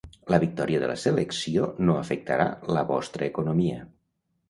La victòria de la selecció no afectarà la vostra economia.